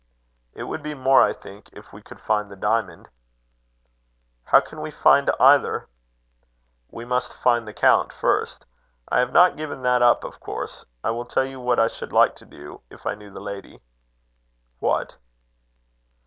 "It would be more, I think, if we could find the diamond." "How can we find either?" "We must find the count first. I have not given that up, of course. I will tell you what I should like to do, if I knew the lady." "What?"